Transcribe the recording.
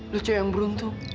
lu cuy yang beruntung